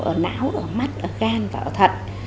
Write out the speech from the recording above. ở não ở mắt ở gan và ở thận